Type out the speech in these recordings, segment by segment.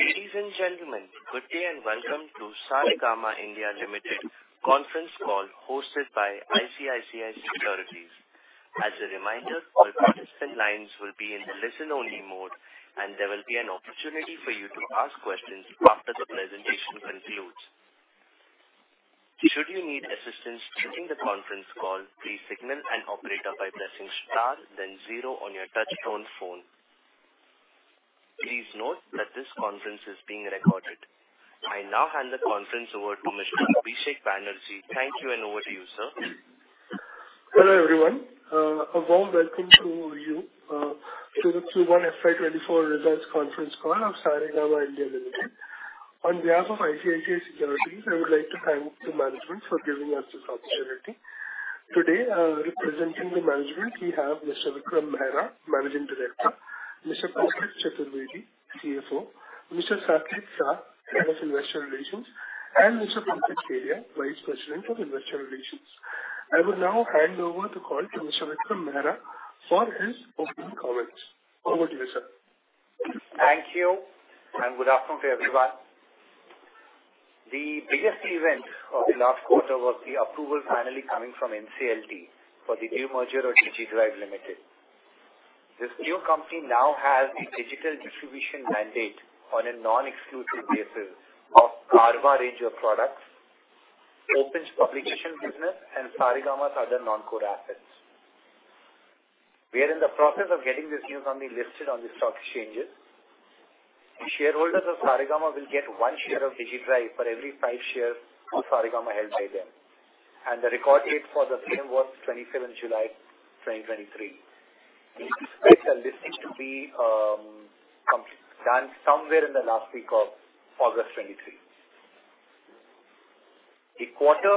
Ladies and gentlemen, good day, and welcome to Saregama India Limited conference call hosted by ICICI Securities. As a reminder, all participant lines will be in the listen-only mode, and there will be an opportunity for you to ask questions after the presentation concludes. Should you need assistance during the conference call, please signal an operator by pressing Star then zero on your touchtone phone. Please note that this conference is being recorded. I now hand the conference over to Mr. Abhishek Banerjee. Thank you, and over to you, sir. Hello, everyone. A warm welcome to you to the Q1 FY24 results conference call of Saregama India Limited. On behalf of ICICI Securities, I would like to thank the management for giving us this opportunity. Today, representing the management, we have Mr. Vikram Mehra, Managing Director, Mr. Pankaj Chaturvedi, CFO, Mr. Saket Shah, Head of Investor Relations, and Mr. Pankaj Kedia, Vice President - Investor Relations. I will now hand over the call to Mr. Vikram Mehra for his opening comments. Over to you, sir. Thank you, and good afternoon to everyone. The biggest event of the last quarter was the approval finally coming from NCLT for the demerger of Digidrive Limited. This new company now has a digital distribution mandate on a non-exclusive basis of Carvaan range of products, opens publication business, and Saregama's other non-core assets. We are in the process of getting this new company listed on the stock exchanges. Shareholders of Saregama will get one share of Digidrive for every five shares of Saregama held by them, and the record date for the same was July 27th, 2023. We expect the listing to be done somewhere in the last week of August 2023. The quarter,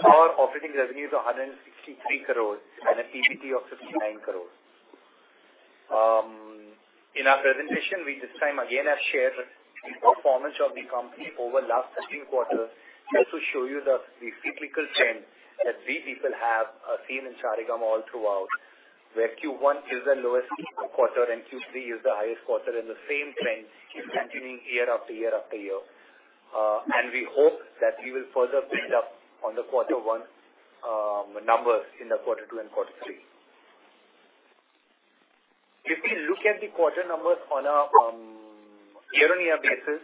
our operating revenues are 163 crores and an EBT of 59 crores. In our presentation, we this time again have shared the performance of the company over last 13 quarters, just to show you the, the cyclical trend that we people have seen in Saregama all throughout, where Q1 is the lowest quarter and Q3 is the highest quarter, and the same trend is continuing year after year after year. We hope that we will further build up on the Q1 numbers in the Q2 and Q3. If we look at the quarter numbers on a year-on-year basis,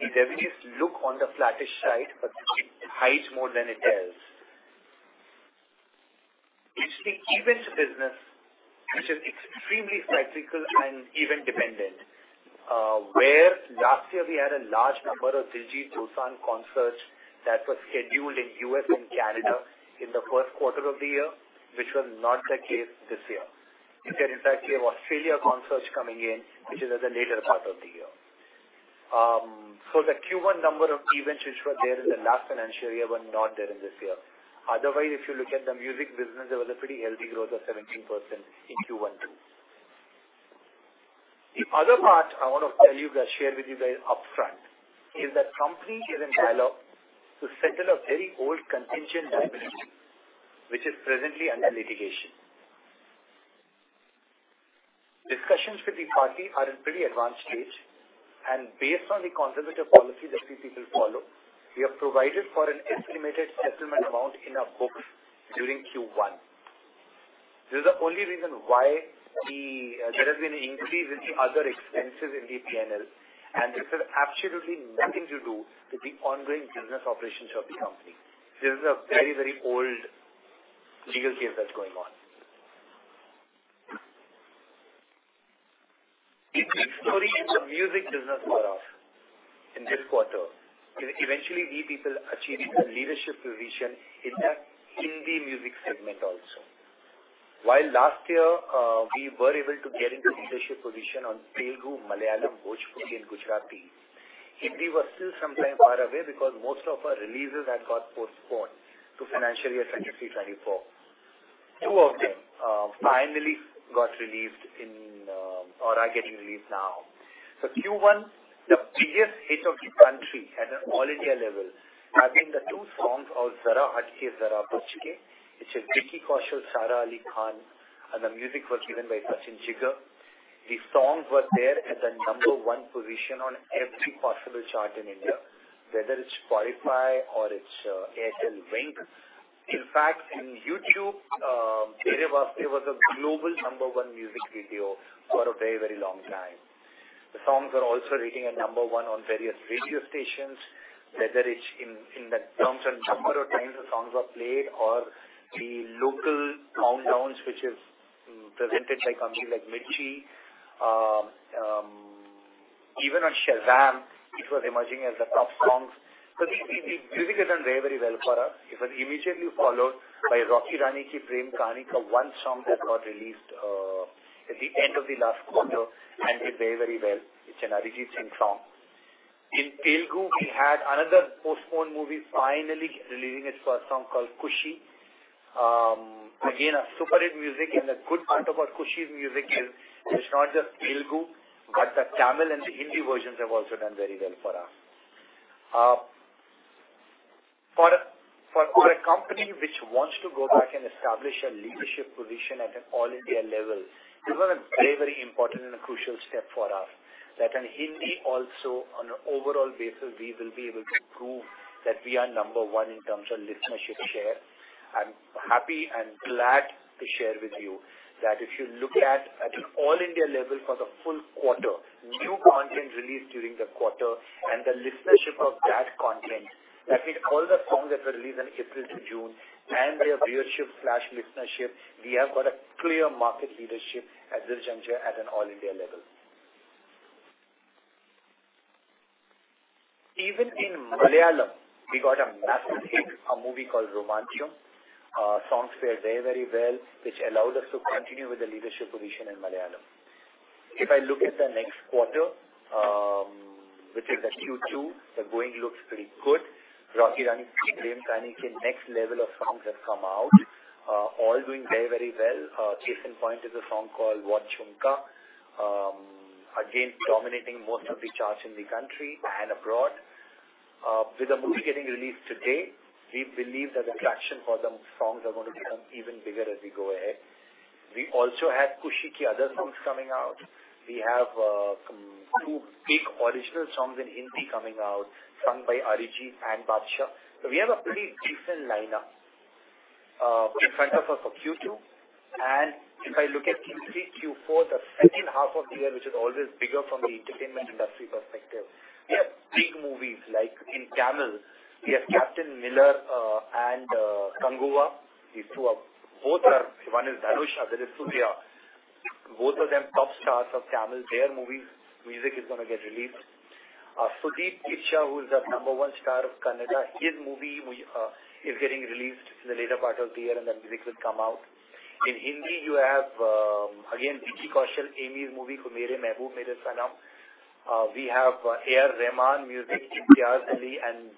the revenues look on the flattest side, but it hides more than it tells. It's the events business, which is extremely cyclical and event dependent, where last year we had a large number of Diljit Dosanjh concerts that were scheduled in U.S. and Canada in the first quarter of the year, which was not the case this year. We had in fact year of Australia concerts coming in, which is at the later part of the year. The Q1 number of events which were there in the last financial year were not there in this year. Otherwise, if you look at the music business, there was a pretty healthy growth of 17% in Q1, too. The other part I want to tell you, share with you guys upfront, is the company is in dialogue to settle a very old contingent liability, which is presently under litigation. Discussions with the party are in pretty advanced stage, based on the conservative policy that we people follow, we have provided for an estimated settlement amount in our books during Q1. This is the only reason why there has been an increase in the other expenses in the P&L, and this has absolutely nothing to do with the ongoing business operations of the company. This is a very, very old legal case that's going on. The big story in the music business were off in this quarter. Eventually, we people achieved a leadership position in the Hindi music segment also. While last year, we were able to get into leadership position on Telugu, Malayalam, Bhojpuri, and Gujarati, Hindi was still sometime far away because most of our releases had got postponed to financial year 2024. Two of them, finally got released in, or are getting released now. Q1, the biggest hit of the country at an All India level, have been the two songs of Zara Hatke Zara Bachke, which is Vicky Kaushal, Sara Ali Khan, and the music was given by Sachin-Jigar. The songs were there at the number one position on every possible chart in India, whether it's Spotify or it's Airtel Wynk. In fact, in YouTube, area was, it was a global number one music video for a very, very long time. The songs are also rating at number one on various radio stations, whether it's in the terms of number of times the songs are played or the local countdowns, which is presented by companies like Mirchi. Even on Shazam, it was emerging as the top songs. The, the, the music has done very, very well for us. It was immediately followed by Rocky Aur Rani Kii Prem Kahaani, the one song that got released at the end of the last quarter, and did very, very well. It's an Arijit Singh song. In Telugu, we had another postponed movie, finally releasing its first song called Kushi. Again, a super hit music, and the good part about Kushi's music is it's not just Telugu, but the Tamil and the Hindi versions have also done very well for us. For, for a company which wants to go back and establish a leadership position at an all-India level, this was a very, very important and a crucial step for us, that in Hindi also, on an overall basis, we will be able to prove that we are number one in terms of listenership share. I'm happy and glad to share with you that if you look at, at an all-India level for the full quarter, new content released during the quarter and the listenership of that content, that means all the songs that were released in April to June and their viewership/listenership, we have got a clear market leadership as [Zirchanjaya] at an all-India level. Even in Malayalam, we got a massive hit, a movie called Romancham. Songs fared very, very well, which allowed us to continue with the leadership position in Malayalam. If I look at the next quarter, which is the Q2, the going looks pretty good. Rocky Rani Kimi next level of songs has come out, all doing very, very well. Case in point is a song called What Jhumka?. Again, dominating most of the charts in the country and abroad. With the movie getting released today, we believe that the traction for the songs are going to become even bigger as we go ahead. We also have Kushi Ki, other songs coming out. We have big original songs in Hindi coming out, sung by Arijit and Badshah. We have a pretty decent lineup in front of us for Q2. If I look at Q3, Q4, the second half of the year, which is always bigger from the entertainment industry perspective, we have big movies like in Tamil, we have Captain Miller and Kanguva. These two both are, one is Dhanush, the other is Suriya. Both of them, top stars of Tamil, their movies, music is gonna get released. Kiccha Sudeep, who is the number one star of Kannada, his movie is getting released in the later part of the year, and the music will come out. In Hindi, you have again, Vicky Kaushal, Ammy Virk movie, Mere Mehboob Mere Sanam. We have A. R. Rahman music, Imtiaz Ali, and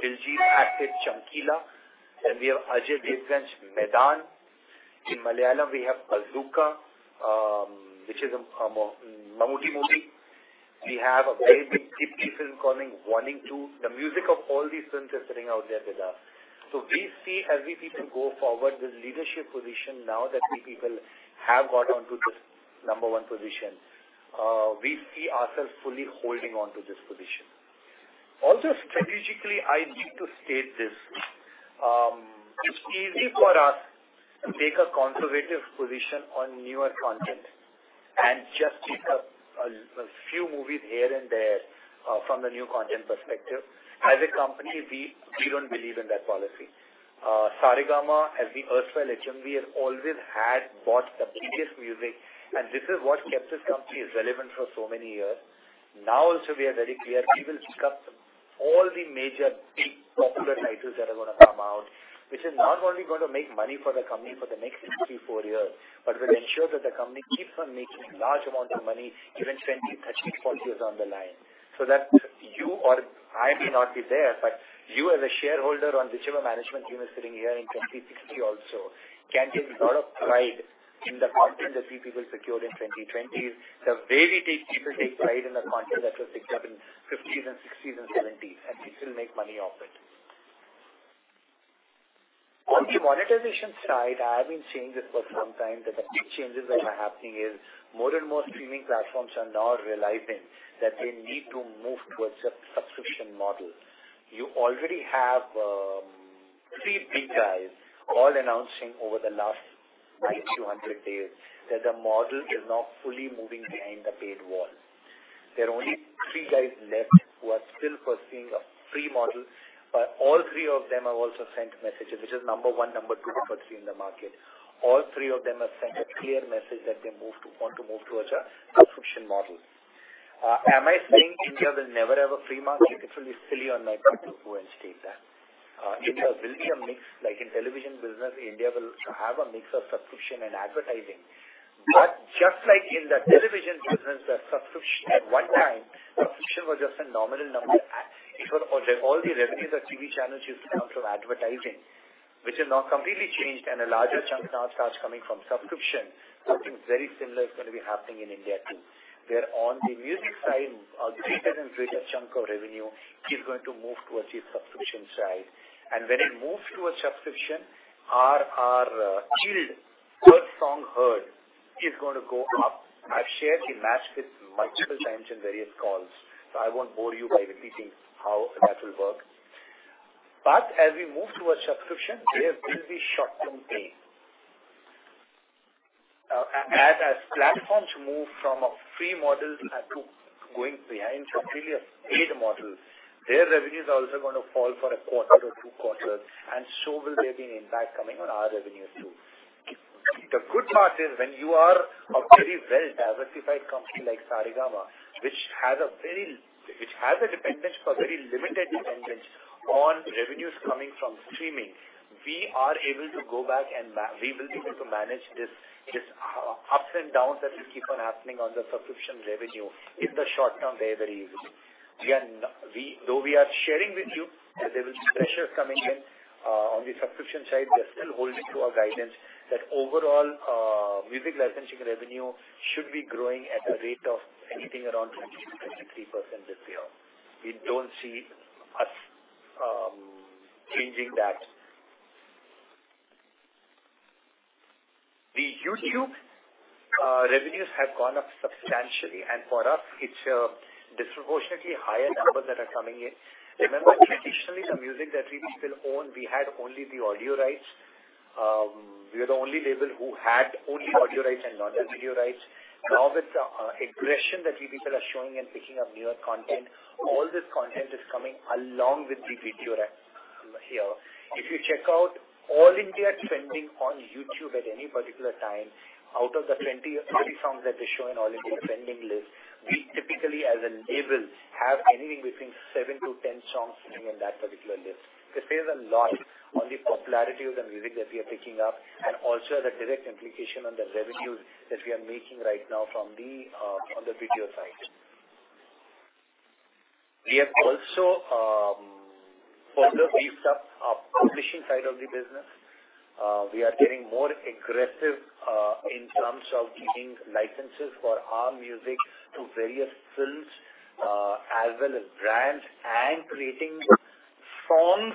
Diljit Dosanjh acted Amar Singh Chamkila, and we have Ajay Devgn's Maidaan. In Malayalam, we have Bazooka, which is a Mammootty movie. We have a very big film coming, one in two. The music of all these films is sitting out there with us. We see as we people go forward, this leadership position, now that we people have got onto this number one position, we see ourselves fully holding on to this position. Also, strategically, I need to state this: it's easy for us to take a conservative position on newer content and just pick up a few movies here and there, from the new content perspective. As a company, we, we don't believe in that policy. Saregama, as we erstwhile HMV, has always had bought the biggest music, and this is what kept this company relevant for so many years. Now, also, we are very clear, we will pick up all the major, big, popular titles that are gonna come out, which is not only going to make money for the company for the next three, four years, but will ensure that the company keeps on making large amounts of money, even 20, 30, 40 years down the line. That you or I may not be there, but you, as a shareholder on whichever management team is sitting here in 2060 also, can take a lot of pride in the content that we people secured in the 2020s. The way people take pride in the content that was picked up in the 1950s, 1960s, and 1970s, we still make money off it. On the monetization side, I have been saying this for some time, that the big changes that are happening is more and more streaming platforms are now realizing that they need to move towards a subscription model. You already have three big guys all announcing over the last 200 days that the model is now fully moving behind the paywall. There are only three guys left who are still pursuing a free model. All three of them have also sent messages, which is number one, number two, and number three in the market. All three of them have sent a clear message that they want to move towards a subscription model. Am I saying India will never have a free market? It will be silly on my part to go and state that. It will be a mix. Like in television business, India will have a mix of subscription and advertising. Just like in the television business, the subscription, at one time, subscription was just a nominal number. All the, all the revenues that TV channels used to come from advertising, which has now completely changed and a larger chunk now starts coming from subscription, something very similar is going to be happening in India, too. Where on the music side, a greater and greater chunk of revenue is going to move towards the subscription side. When it moves towards subscription, our, our yield, per song heard, is going to go up. I've shared the match with multiple times in various calls, so I won't bore you by repeating how that will work. As we move towards subscription, there will be short-term pain. As, as platforms move from a free model to going behind completely a paid model, their revenues are also going to fall for a quarter or two quarters, and so will there be an impact coming on our revenues, too. The good part is when you are a very well-diversified company like Saregama, which has a very which has a dependence, but very limited dependence on revenues coming from streaming, we are able to go back and we will be able to manage this, this, ups and downs that will keep on happening on the subscription revenue in the short term, very, very easily. We are not we though we are sharing with you, there will be pressure coming in on the subscription side, we're still holding to our guidance that overall, music licensing revenue should be growing at a rate of anything around 20%-23% this year. We don't see us changing that. The YouTube revenues have gone up substantially, and for us, it's a disproportionately higher numbers that are coming in. Remember, traditionally, the music that we people own, we had only the audio rights. We are the only label who had only audio rights and not the video rights. Now, with the aggression that we people are showing and picking up newer content, all this content is coming along with the video rights here. If you check out All India Trending on YouTube at any particular time, out of the 20 or 30 songs that they show in All India Trending list, we typically, as a label, have anything between seven to 10 songs sitting on that particular list. Because there's a lot on the popularity of the music that we are picking up and also the direct implication on the revenues that we are making right now from the on the video side. We have also further beefed up our publishing side of the business. We are getting more aggressive in terms of giving licenses for our music to various films, as well as brands, creating songs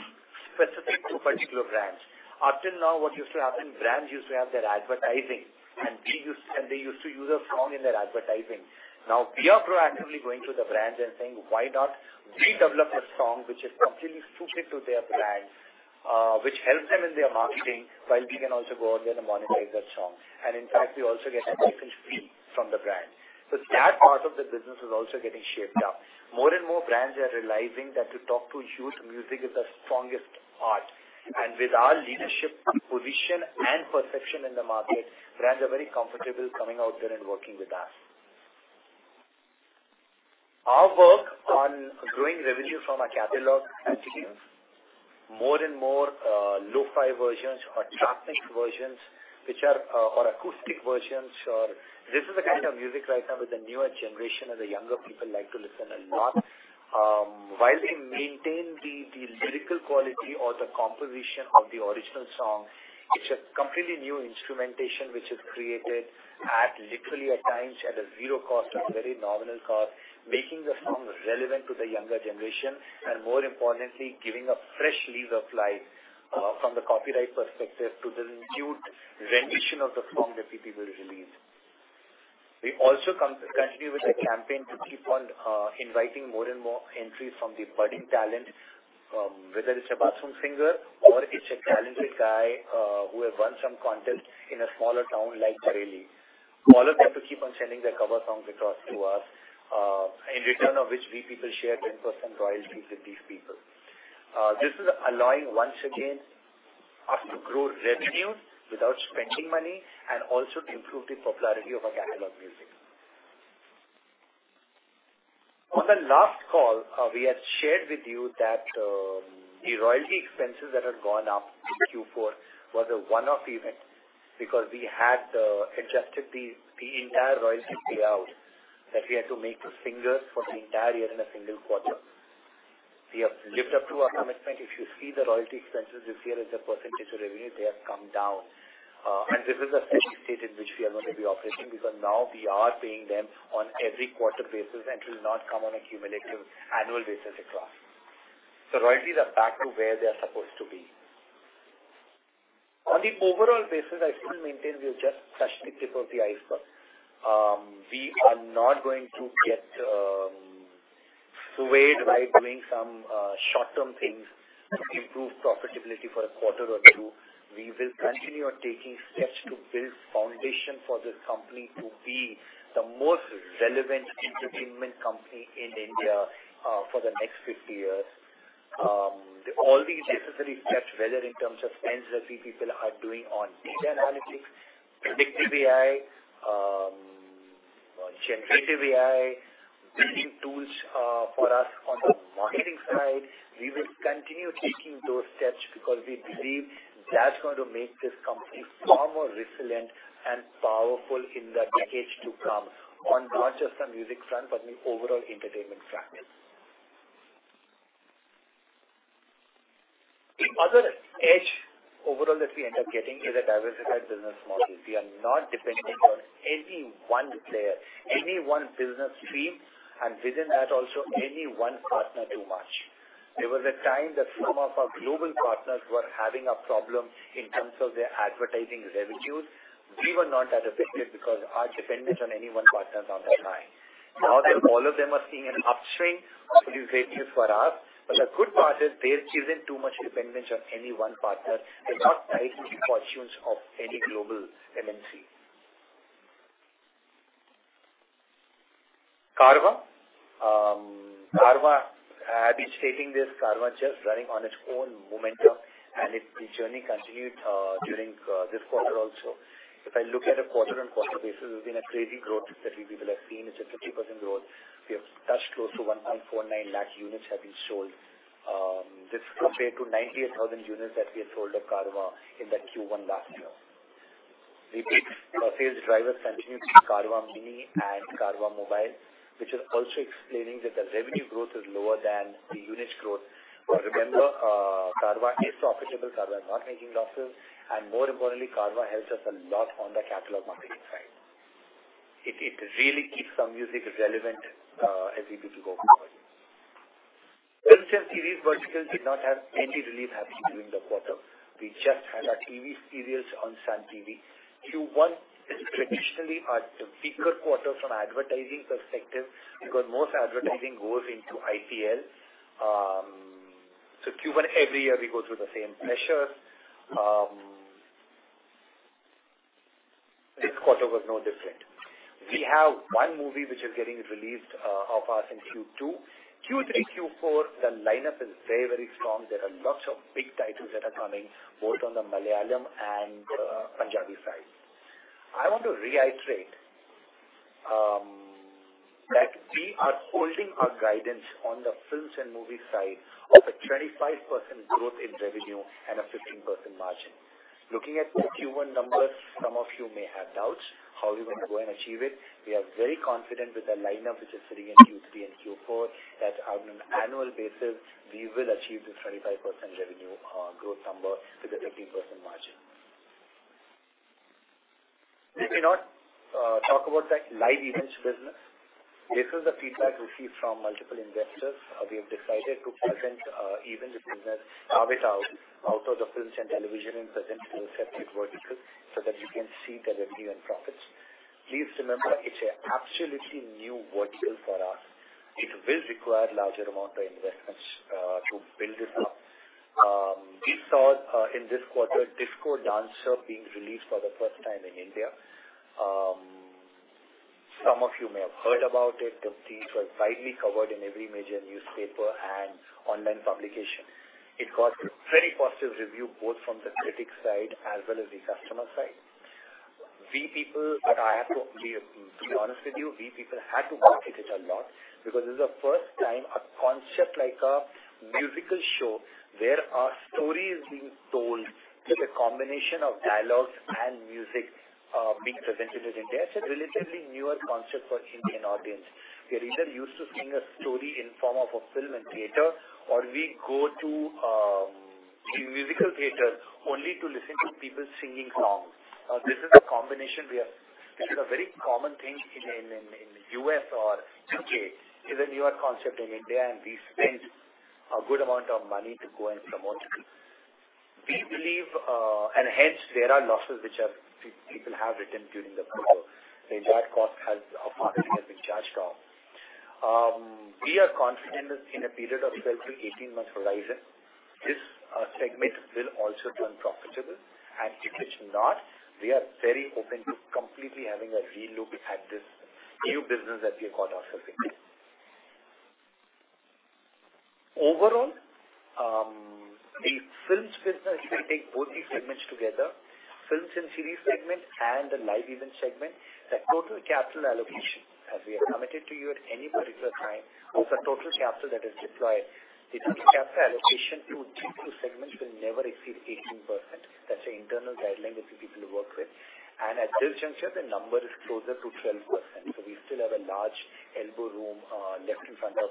specific to particular brands. Up till now, what used to happen, brands used to have their advertising, and they used, and they used to use a song in their advertising. Now we are proactively going to the brand and saying, "Why not we develop a song which is completely suited to their brand, which helps them in their marketing, while we can also go out there and monetize that song?" In fact, we also get a license fee from the brand. That part of the business is also getting shaped up. More and more brands are realizing that to talk to huge music is the strongest art, and with our leadership, position, and perception in the market, brands are very comfortable coming out there and working with us. Our work on growing revenue from our catalog continues. More and more, lo-fi versions or traffic versions, which are, or acoustic versions, or this is the kind of music right now with the newer generation and the younger people like to listen a lot. While they maintain the, the lyrical quality or the composition of the original song, it's a completely new instrumentation, which is created at literally at times, at a zero cost or very nominal cost, making the song relevant to the younger generation, and more importantly, giving a fresh lease of life from the copyright perspective to the new rendition of the song that people will release. We also continue with the campaign to keep on inviting more and more entries from the budding talent, whether it's a bathroom singer or it's a talented guy who have won some contest in a smaller town like Bareilly. All of them to keep on sending their cover songs across to us, in return of which we people share 10% royalties with these people. This is allowing once again, us to grow revenue without spending money and also improve the popularity of our catalog music. On the last call, we had shared with you that the royalty expenses that have gone up in Q2 was a one-off event because we had adjusted the entire royalty payout that we had to make the singers for the entire year in a single quarter. We have lived up to our commitment. If you see the royalty expenses this year as a percentage of revenue, they have come down. This is a steady state in which we are going to be operating, because now we are paying them on every quarter basis and will not come on a cumulative annual basis across. Royalties are back to where they are supposed to be. On the overall basis, I still maintain we have just touched the tip of the iceberg. We are not going to get swayed by doing some short-term things to improve profitability for a quarter or two. We will continue on taking steps to build foundation for this company to be the most relevant entertainment company in India for the next 50 years. All these necessary steps, whether in terms of spends that we people are doing on data analytics, predictive AI, generative AI, building tools for us on the marketing side, we will continue taking those steps because we believe that's going to make this company far more resilient and powerful in the decades to come on not just the music front, but the overall entertainment front. The other edge overall, that we end up getting is a diversified business model. We are not dependent on any one player, any one business stream, and within that, also, any one partner too much. There was a time that some of our global partners were having a problem in terms of their advertising revenues. We were not that affected because our dependence on any one partner is on the high. Now that all of them are seeing an upswing, it will be great news for us, but the good part is there isn't too much dependence on any one partner. They're not riding the fortunes of any global MNC. Carvaan. Carvaan, I've been stating this, Carvaan just running on its own momentum, and its, the journey continued during this quarter also. If I look at a quarter-on-quarter basis, it's been a crazy growth that we people have seen. It's a 50% growth. We have touched close to 1.49 lakh units have been sold, this compared to 98,000 units that we have sold of Carvaan in the Q1 last year. Repeat sales drivers continue to be Carvaan Mini and Carvaan Mobile, which is also explaining that the revenue growth is lower than the unit growth. Remember, Carvaan is profitable, Carvaan is not making losses, and more importantly, Carvaan helps us a lot on the catalog marketing side. It, it really keeps our music relevant, as we people go forward. Films and series verticals did not have any release happening during the quarter. We just had our TV series on Sun TV. Q1 is traditionally our bigger quarter from advertising perspective, because most advertising goes into IPL. Q1, every year we go through the same pressure. This quarter was no different. We have one movie which is getting released of us in Q2. Q3, Q4, the lineup is very, very strong. There are lots of big titles that are coming, both on the Malayalam and Punjabi side. I want to reiterate that we are holding our guidance on the Films and movie side of a 25% growth in revenue and a 15% margin. Looking at the Q1 numbers, some of you may have doubts how we are going to go and achieve it. We are very confident with the lineup, which is sitting in Q3 and Q4, that on an annual basis, we will achieve this 25% revenue growth number with a 15% margin. Let me not talk about the Live Events business. This is the feedback we see from multiple investors. We have decided to present events business out of, out of the films and television and present separate vertical so that you can see the revenue and profits. Please remember, it's an absolutely new vertical for us. It will require larger amount of investments to build this up. We saw in this quarter, Disco Dancer being released for the first time in India. Some of you may have heard about it. The fees were widely covered in every major newspaper and online publication. It got very positive review, both from the critic side as well as the customer side. We people, I have to, to be honest with you, we people had to market it a lot because this is the first time a concept like a musical show where a story is being told with a combination of dialogues and music, being presented in India. It's a relatively newer concept for Indian audience. We're either used to seeing a story in form of a film and theater, or we go to a musical theater only to listen to people singing songs. This is a combination. This is a very common thing in, in, in, in U.S. or U.K., is a newer concept in India, and we spent a good amount of money to go and promote it. We believe. Hence, there are losses which are people have written during the quarter. The entire cost has, a part of it has been charged off. We are confident in a period of 12 to 18 months horizon, this segment will also turn profitable. If it's not, we are very open to completely having a relook at this new business that we have got ourselves into. Overall, the Films business, if you take both these segments together, Films and Series segment and the Live Events segment, the total capital allocation, as we have committed to you at any particular time, of the total capital that is deployed, the total capital allocation to these two segments will never exceed 18%. That's the internal guideline that we people work with. At this juncture, the number is closer to 12%. We still have a large elbow room left in front of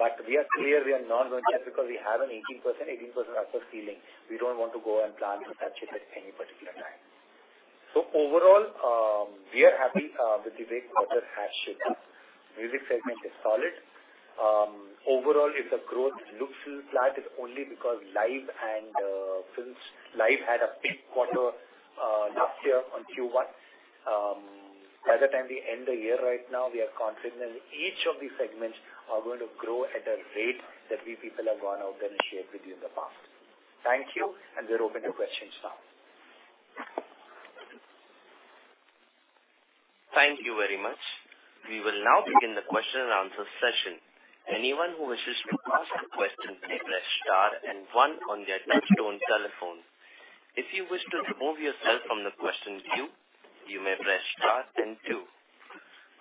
us. We are clear, we are not going to, because we have an 18%, 18% upper ceiling. We don't want to go and plan to touch it at any particular time. Overall, we are happy with the way quarter has shaped up. Music segment is solid. Overall, if the growth looks flat, it's only because live and films, live had a big quarter last year on Q1. By the time we end the year, right now, we are confident each of these segments are going to grow at a rate that we people have gone out there and shared with you in the past. Thank you, and we're open to questions now. Thank you very much. We will now begin the question and answer session. Anyone who wishes to ask a question, please press star and one on their touchtone telephone. If you wish to remove yourself from the question queue, you may press star then two.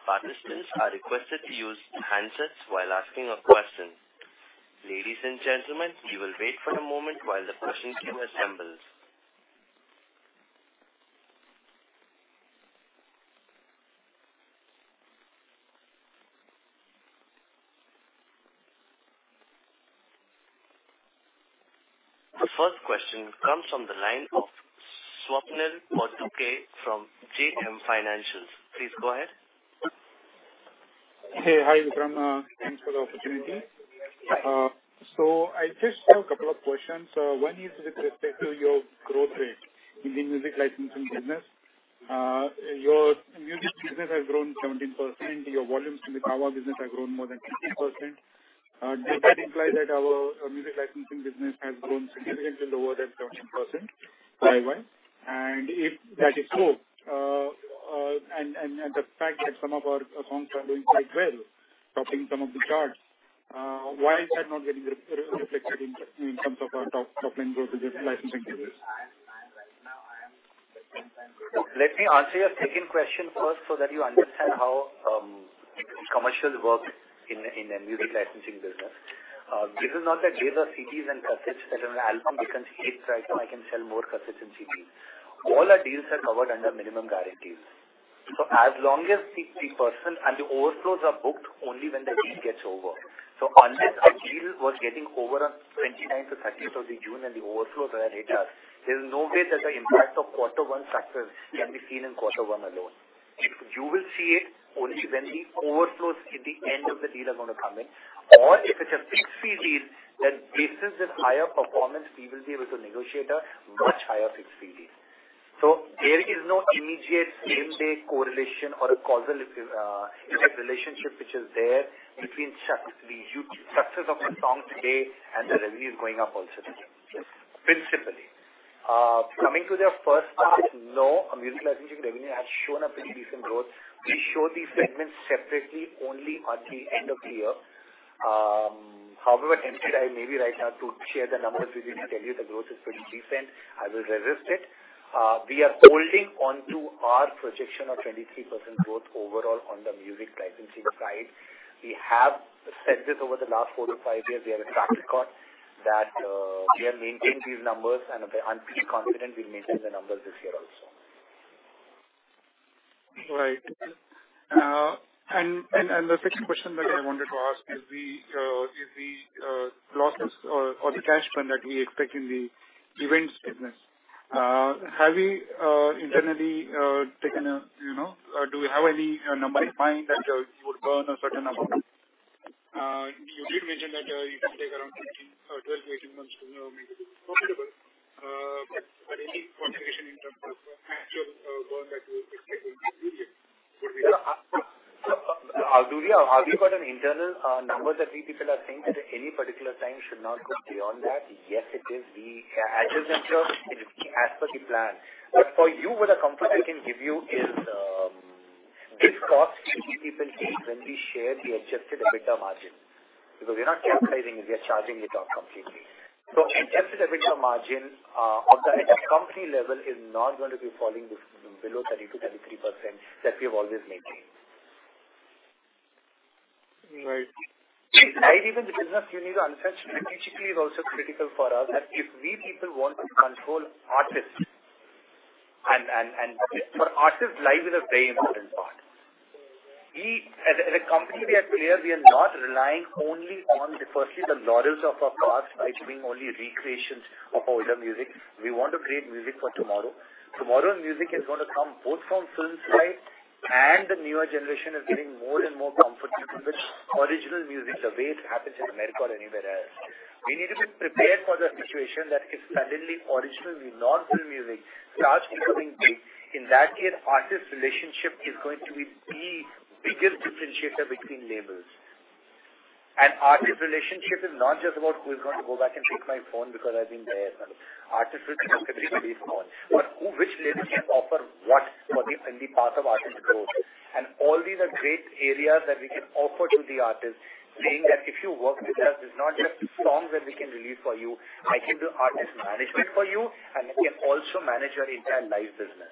Participants are requested to use handsets while asking a question. Ladies and gentlemen, you will wait for a moment while the question queue assembles. The first question comes from the line of Swapnil Potdukhe from JM Financial. Please go ahead. Hey, hi, Vikram. Thanks for the opportunity. Hi. I just have a couple of questions. One is with respect to your growth rate in the music licensing business. Your music business has grown 17%, your volumes in the Carvaan business have grown more than 50%. Does that imply that our music licensing business has grown significantly lower than 17% by one? If that is so, the fact that some of our accounts are doing quite well, topping some of the charts, why is that not getting reflected in, in terms of our top line growth in this licensing business? Let me answer your second question first so that you understand how commercial work in a music licensing business. This is not that there are CDs and cassettes that are album because right now I can sell more cassettes and CDs. All our deals are covered under minimum guarantees. As long as the person and the overflows are booked only when the deal gets over. Unless the deal was getting over on the 29th or 30th of June, and the overflows are at eight hours, there's no way that the impact of Q1 factors can be seen in Q1 alone. You will see it only when the overflows in the end of the deal are going to come in, or if it's a fixed fee deal, that basis is higher performance, we will be able to negotiate a much higher fixed fee deal. There is no immediate same-day correlation or a causal effect relationship, which is there between success, the success of the song today and the revenues going up also today, principally. Coming to the first part, no, our music licensing revenue has shown a pretty decent growth. We show these segments separately only at the end of the year. However, tempted I may be right now to share the numbers with you and tell you the growth is pretty decent, I will resist it. We are holding on to our projection of 23% growth overall on the music licensing side. We have said this over the last four to five years. We have a track record that we have maintained these numbers. I'm pretty confident we'll maintain the numbers this year also. Right. And, and the second question that I wanted to ask is the, is the, losses or, or the cash burn that we expect in the events business. Have we, internally, taken a, you know... Do we have any number in mind that you would burn a certain amount? You did mention that you can take around 15 or 12 to 18 months to, you know, make it profitable, but any quantification in terms of the actual burn that you expect in this period, would be-? Yeah. We've got an internal numbers that we people are saying that at any particular time should not go beyond that. Yes, it is. We adjust them as per the plan. For you, what the comfort I can give you is, this cost people see when we share the Adjusted EBITDA margin, because we're not capitalizing it, we are charging it out completely. Adjusted EBITDA margin of the company level is not going to be falling below 30%-33% that we have always maintained. Right. Right. Even the business unit, untouched, technically, is also critical for us, that if we people want to control artists and, and, and for artists, life is a very important part. As a company, we are clear we are not relying only on, firstly, the laurels of our past by doing only recreations of our older music. We want to create music for tomorrow. Tomorrow's music is going to come both from film side and the newer generation is getting more and more comfortable with original music, the way it happens in America or anywhere else. We need to be prepared for the situation that if suddenly original, non-film music starts becoming big, in that case, artist relationship is going to be the biggest differentiator between labels. Artist relationship is not just about who is going to go back and take my phone because I've been there, and artists will look at everybody's phone. Who, which label can offer what for the, in the path of artist growth? All these are great areas that we can offer to the artist, saying that: "If you work with us, it's not just songs that we can release for you. I can do artist management for you, and we can also manage your entire live business."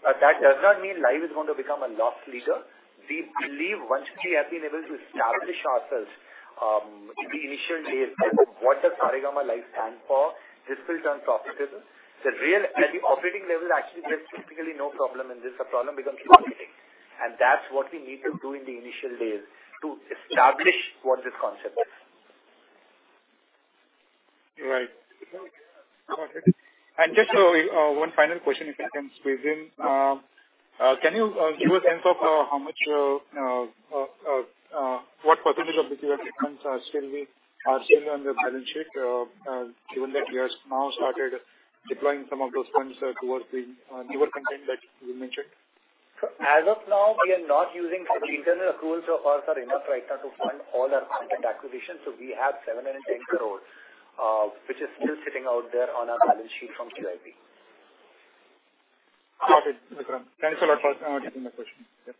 That does not mean Live is going to become a loss leader. We believe once we have been able to establish ourselves in the initial days, what does Saregama Live stand for? This builds on professionalism. The real, at the operating level, actually, there's typically no problem, and this a problem becomes marketing, and that's what we need to do in the initial days to establish what this concept is. Right. Got it. Just one final question, if I can squeeze in. Can you give a sense of what percent of the QIP funds are still being, are still on the balance sheet given that you have now started deploying some of those funds towards the newer content that you mentioned? As of now, we are not using. The internal accruals of ours are enough right now to fund all our content acquisitions. We have 7 crores and 10 crores, which is still sitting out there on our balance sheet from QIB. Got it, Vikram. Thanks a lot for taking the question. Yes,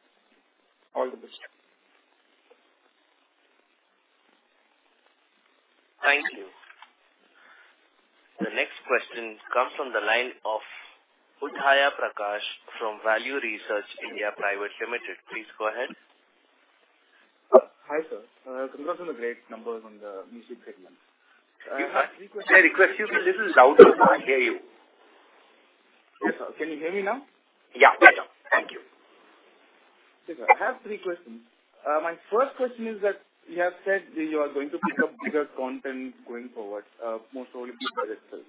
all the best. Thank you. The next question comes from the line of Udhaya Prakash from Value Research India Private Limited. Please go ahead. Hi, sir. Congrats on the great numbers on the music segment. May I request you to be a little louder so I hear you? Yes, sir. Can you hear me now? Yeah, better. Thank you. I have three questions. My first question is that you have said that you are going to pick up bigger content going forward, more so in projects.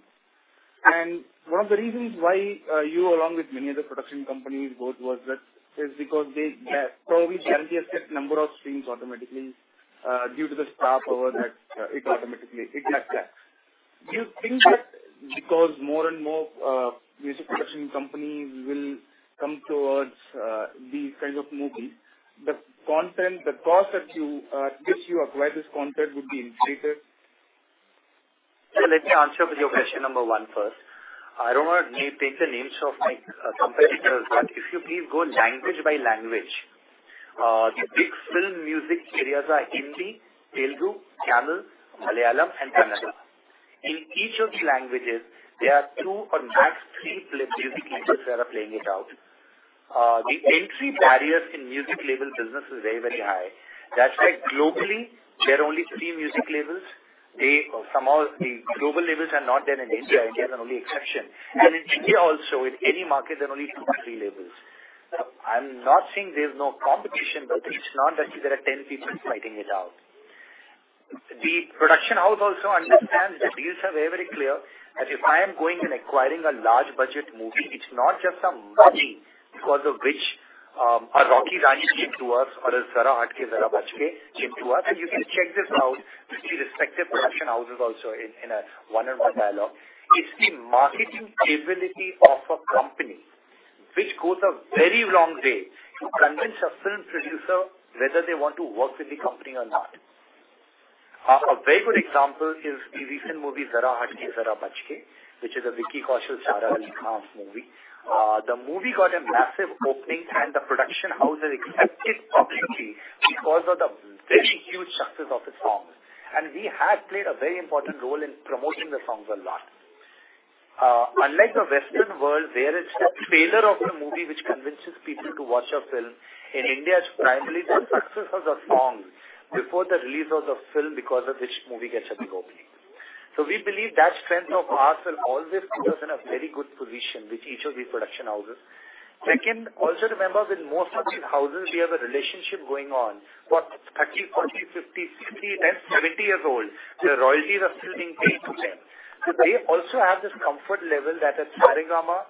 One of the reasons why you, along with many other production companies, both was that is because they probably guarantee a certain number of streams automatically, due to the staff or that it automatically exists. Yeah. Do you think that because more and more music production companies will come towards these kinds of movies, the content, the cost that you which you acquire this content would be inflated? Let me answer your question number one first. I don't want to name, take the names of my competitors, if you please go language by language, the big film music areas are Hindi, Telugu, Tamil, Malayalam, and Kannada. In each of the languages, there are two or max three music labels that are playing it out. The entry barriers in music label business is very, very high. That's why globally, there are only three music labels. From all the global labels are not there in India. India is an only exception. In India also, in any market, there are only two or three labels. I'm not saying there's no competition, but it's not that there are 10 people fighting it out. The production house also understands the deals are very, very clear, that if I am going and acquiring a large budget movie, it's not just some money because of which, a Rocky Rani came to us or a Zara Hatke Zara Bachke came to us. You can check this out with the respective production houses also in, in a one-on-one dialogue. It's the marketing ability of a company which goes a very long way to convince a film producer whether they want to work with the company or not. A very good example is the recent movie, Zara Hatke Zara Bachke, which is a Vicky Kaushal, Sara Ali Khan movie. The movie got a massive opening, and the production house has accepted publicly because of the very huge success of the songs. We had played a very important role in promoting the songs a lot. Unlike the Western world, where it's the failure of the movie which convinces people to watch a film, in India, it's primarily the success of the songs before the release of the film, because of which movie gets a big opening. We believe that strength of ours will always put us in a very good position with each of these production houses. Second, also remember, with most production houses, we have a relationship going on for 30, 40, 50, 60, and 70 years old. The royalties are still being paid to them. They also have this comfort level that at Saregama,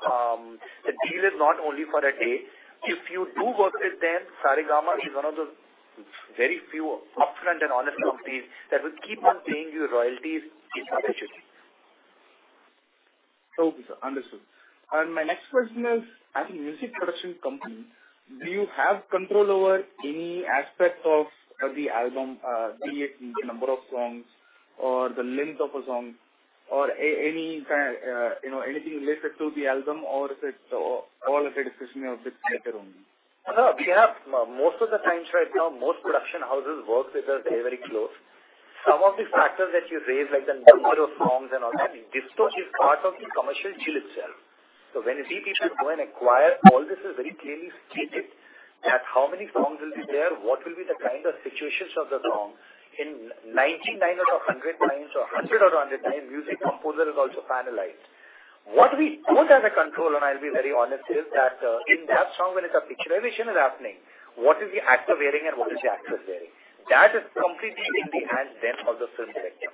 the deal is not only for a day. If you do work with them, Saregama is one of the very few upfront and honest companies that will keep on paying you royalties eventually. Okay, sir. Understood. My next question is, as a music production company, do you have control over any aspect of the album, be it the number of songs or the length of a song or any, you know, anything related to the album, or all of it is decision of the creator only? No, we have-- Most of the times right now, most production houses work with us, very, very close. Some of the factors that you raised, like the number of songs and all that, this too is part of the commercial deal itself. When we people go and acquire, all this is very clearly stated, that how many songs will be there, what will be the kind of situations of the song. In 99 out of 100x or 100 out of 100x, music composer is also finalized. What we don't have a control, and I'll be very honest, is that in that song, when it's a picturisation is happening, what is the actor wearing and what is the actress wearing? That is completely in the hands then of the film director.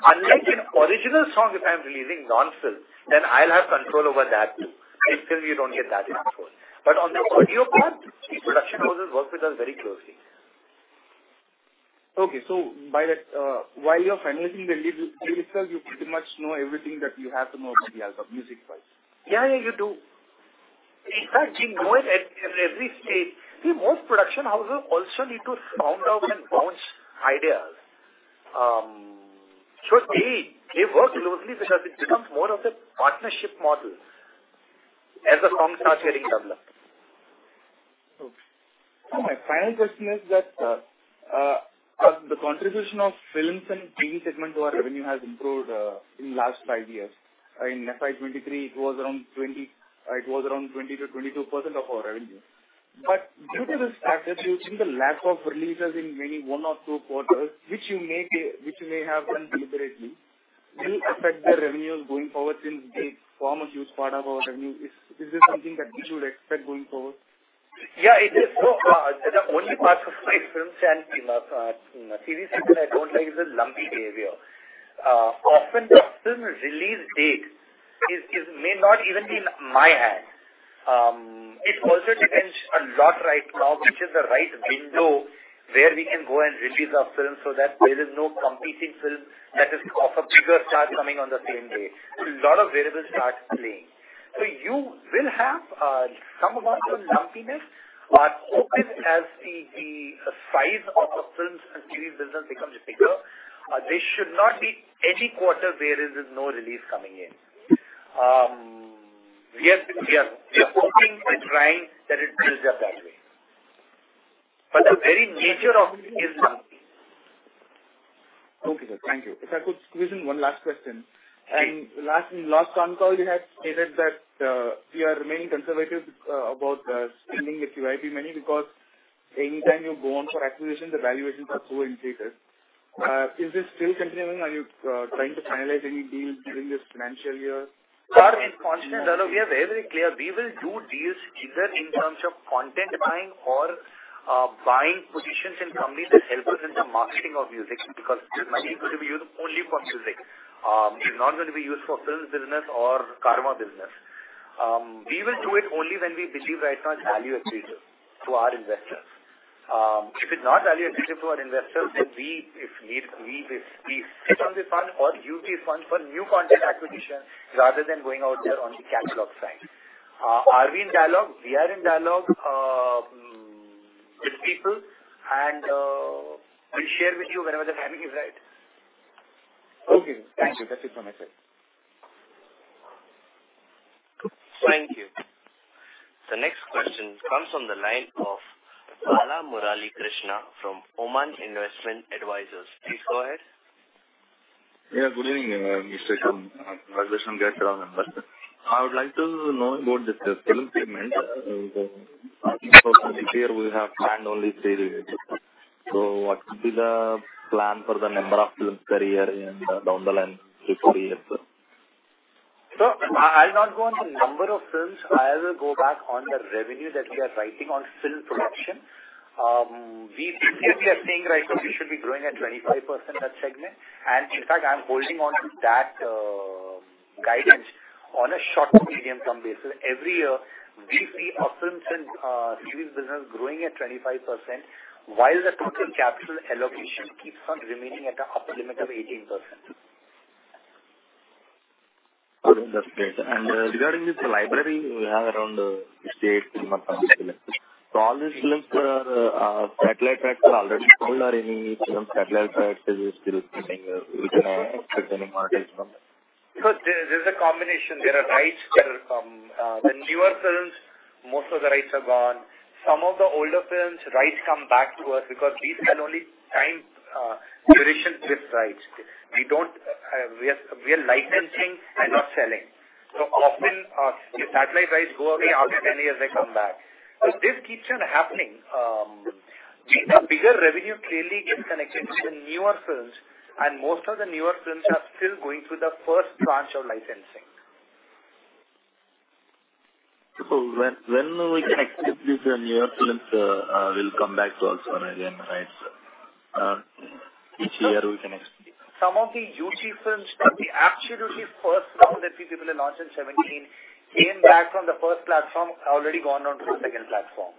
Unlike an original song, if I'm releasing non-film, then I'll have control over that. In film, you don't get that in control. On the audio part, the production houses work with us very closely. Okay, so by that, while you're finalizing the deal itself, you pretty much know everything that you have to know about the album, music-wise? Yeah, yeah, you do. In fact, you know it at every stage. See, most production houses also need to sound out and bounce ideas. They, they work closely because it becomes more of a partnership model as the song starts getting developed. Okay. My final question is that, the contribution of Films and Series segment to our revenue has improved, in last five years. In FY23, it was around 20, it was around 20%-22% of our revenue. Due to this factor, you think the lack of releases in many one or two quarters, which you may, which you may have done deliberately, will affect the revenues going forward since they form a huge part of our revenue? Is, is this something that we should expect going forward? Yeah, it is. The only part of my films and, you know, series I don't like is the lumpy behavior. Often the film release date is may not even be in my hand. It also depends a lot right now, which is the right window, where we can go and release our film so that there is no competing film that is of a bigger star coming on the same day. A lot of variables start playing. You will have some amount of lumpiness. Often as the, the size of the films and TV business becomes bigger, there should not be any quarter where there's no release coming in. We are, we are, we are hoping and trying that it builds up that way. The very nature of it is lumpy. Okay, sir. Thank you. If I could squeeze in one last question. Sure. In last, in last con call, you had stated that, we are remaining conservative, about, spending the QIP money because anytime you go on for acquisition, the valuations are so inflated. Is this still continuing? Are you, trying to finalize any deal during this financial year? In constant, we are very clear. We will do deals either in terms of content buying or buying positions in companies that help us in the marketing of music, because this money is going to be used only for music. It's not going to be used for films business or Carvaan business. We will do it only when we believe right now it's value accretive to our investors. If it's not value accretive to our investors, then we, if need, we sit on the fund or use these funds for new content acquisition rather than going out there on the catalog side. Are we in dialogue? We are in dialogue with people, we'll share with you whenever the timing is right. Okay, thank you. That's it from my side. Thank you. The next question comes from the line of Bala Murali Krishna from Oman Investment Advisors. Please go ahead. Yeah, good evening, Mr. Vikram. Rajan Sha, member. I would like to know about this film segment. Here we have planned only three. What will be the plan for the number of films per year and down the line to 40 years, sir? Sir, I'll not go on the number of films. I will go back on the revenue that we are writing on film production. We previously are saying, right now, we should be growing at 25% that segment, and in fact, I'm holding on to that guidance on a short to medium-term basis. Every year, we see our Films and Series segment growing at 25%, while the total capital allocation keeps on remaining at the upper limit of 18%. Good. That's great. Regarding this library, we have around 58 months. All these films are satellite rights are already sold or any film satellite rights is still sitting with any model? There's a combination. There are rights that are from. The newer films, most of the rights are gone. Some of the older films, rights come back to us because these can only time, duration with rights. We don't, we are, we are licensing and not selling. Often, if satellite rights go away after 10 years, they come back. This keeps on happening. The bigger revenue clearly gets connected to the newer films, and most of the newer films are still going through the first tranche of licensing. when, when we can expect this, the newer films will come back to us on again, right? each year we can expect. Some of the YouTube films that the absolutely 1st round that we people have launched in 2017, came back from the 1st platform, already gone on to the 2nd platform.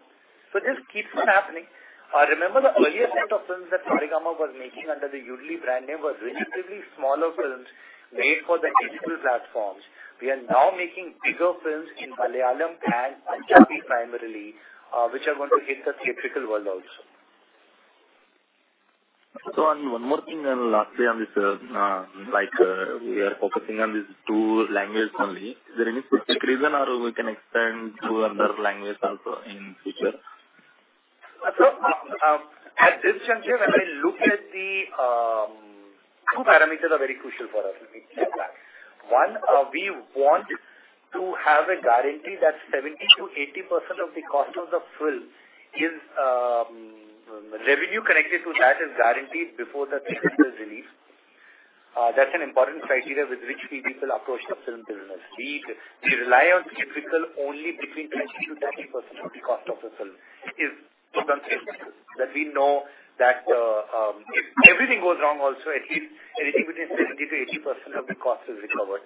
This keeps on happening. Remember the earlier set of films that Pradyumna was making under the Yoodlee brand name were relatively smaller films made for the digital platforms. We are now making bigger films in Malayalam and Punjabi primarily, which are going to hit the theatrical world also. One more thing, and lastly, on this, we are focusing on these two languages only. Is there any specific reason or we can expand to another language also in future? At this juncture, when we look at the two parameters, are very crucial for us. One, we want to have a guarantee that 70%-80% of the cost of the film is revenue connected to that is guaranteed before the film is released. That's an important criteria with which we people approach the film business. We, we rely on theatrical only between 20%-30% of the cost of the film is to consider. That we know that if everything goes wrong also, at least anything between 70%-80% of the cost is recovered.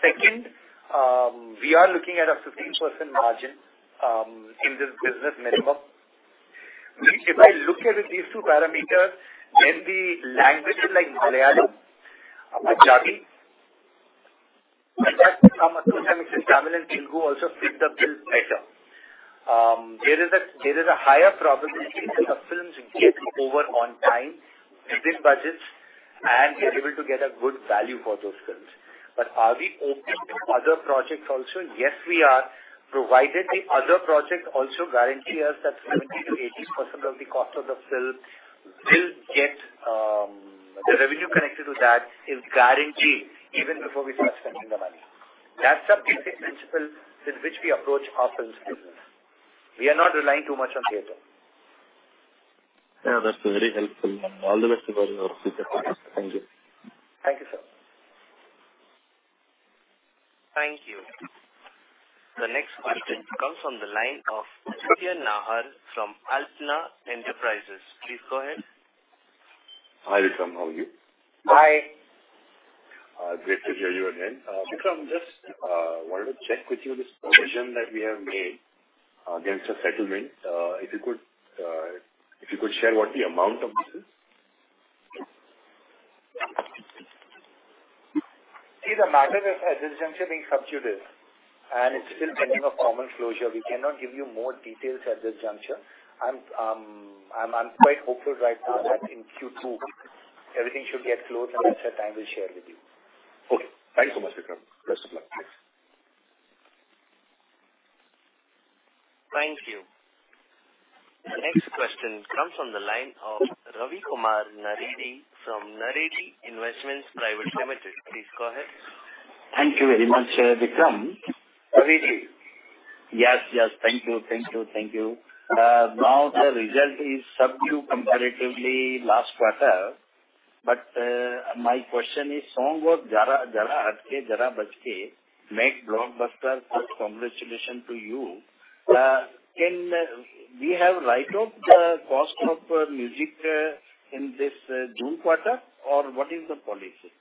Second, we are looking at a 15% margin in this business minimum. If I look at these two parameters, then the language like Malayalam, Punjabi, and some Tamil and Telugu also fit the bill better. There is a, there is a higher probability that the films get over on time, within budgets, and we are able to get a good value for those films. Are we open to other projects also? Yes, we are, provided the other project also guarantee us that 70%-80% of the cost of the film will get, the revenue connected to that is guaranteed even before we first spend the money. That's the basic principle with which we approach our films business. We are not relying too much on theater. Yeah, that's very helpful. All the best to all your future. Thank you. Thank you, sir. Thank you. The next question comes from the line of Christian Nahar from Altna Enterprises. Please go ahead. Hi, Vikram. How are you? Hi. Great to hear you again. Vikram, just wanted to check with you this provision that we have made against a settlement. If you could, if you could share what the amount of this is? See, the matter is at this juncture being subdued, and it's still pending a formal closure. We cannot give you more details at this juncture. I'm, I'm, I'm quite hopeful right now that in Q2, everything should get closed, and as that time we'll share with you. Okay. Thanks so much, Vikram. Best of luck. Thank you. The next question comes from the line of Ravi Kumar Naredi from Naredi Investments Private Limited. Please go ahead. Thank you very much, Vikram. Ravi. Yes, yes. Thank you. Thank you, thank you. Now the result is subdued comparatively last quarter, my question is, Song of Zara Hatke Zara Bachke, made blockbuster. Congratulations to you. Can we have write off the cost of music, in this June quarter, or what is the policy?